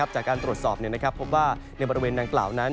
จากการตรวจสอบพบว่าในบริเวณดังกล่าวนั้น